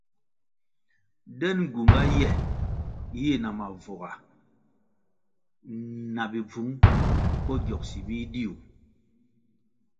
Den gyunga ye yina mavuga, na bibvung bo gyogsi bidiu.